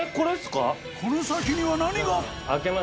この先には何が？